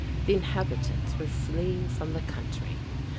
The inhabitants were fleeing from the country.